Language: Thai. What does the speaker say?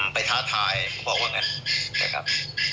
ท้าทายเขาบอกว่างั้นนะครับ